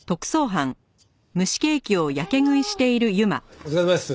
お疲れさまです。